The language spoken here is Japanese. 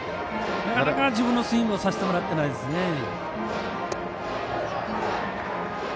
なかなか自分のスイングをさせてもらってないですね。